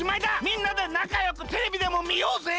みんなでなかよくテレビでもみようぜ。